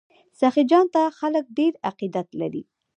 سخي جان ته خلک ډیر عقیدت لري.